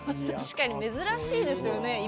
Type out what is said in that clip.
確かに珍しいですよね。